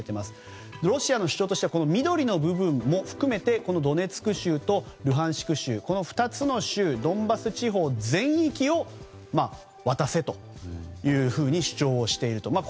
ロシアの主張としては緑の部分も含めてドネツク州とルハンシク州の２つの州ドンバス地方全域を渡せと主張をしていると。